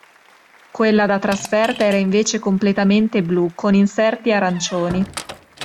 Quella da trasferta era invece completamente blu, con inserti arancioni.